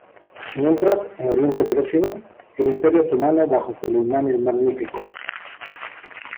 Mientras, en Oriente Próximo, el Imperio otomano bajo Suleimán el Magnífico.